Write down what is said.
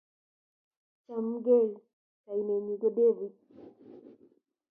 Chamgei, kainenyu ko David.